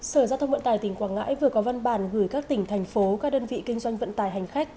sở giao thông vận tải tỉnh quảng ngãi vừa có văn bản gửi các tỉnh thành phố các đơn vị kinh doanh vận tải hành khách